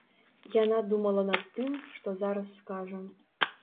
Яна думала над тым, што зараз скажа.